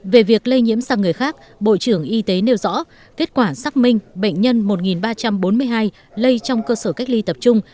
về việc lây nhiễm sang người khác bộ trưởng y tế nêu rõ kết quả xác minh bệnh nhân một ba trăm bốn mươi hai lây trong cơ sở cách ly tập trung